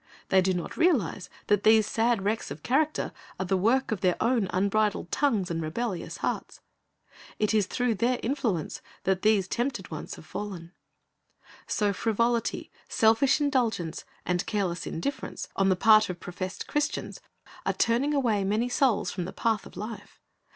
They do not realize that these sad wrecks of character are the work of their own unbridled tongues and rebellious hearts. It is through their influence that these tempted ones have fallen. So frivolity, selfish indulgence, and careless indifference on the part of professed Christians, are turning away many souls from the path of life.